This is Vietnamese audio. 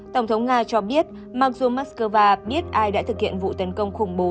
tổng thống nga cho biết mặc dù moscow biết ai đã thực hiện vụ tấn công khủng bố